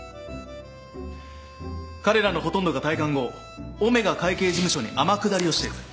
彼らのほとんどが退官後オメガ会計事務所に天下りをしてる。